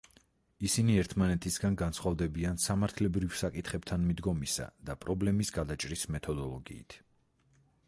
ისინი ერთმანეთისგან განსხვავდებიან სამართლებრივ საკითხებთან მიდგომისა და პრობლემის გადაჭრის მეთოდოლოგიით.